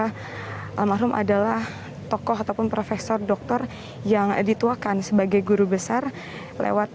karena almarhum adalah tokoh ataupun profesor dokter yang dituakan sebagai guru besar lewat